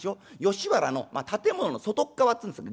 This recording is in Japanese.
吉原の建物の外っ側っつうんですかね